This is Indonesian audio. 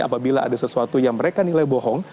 apabila ada sesuatu yang mereka nilai bohong